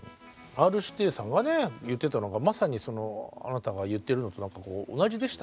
Ｒ−指定さんがね言ってたのがまさにあなたが言ってるのと同じでしたね。